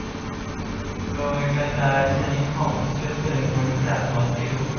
โดยกระจายชนิดของเชื้อเพลิงทั้งจากฟอสซิล